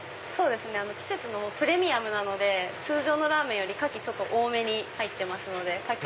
季節のプレミアムなので通常のラーメンより牡蠣多めに入ってますので牡蠣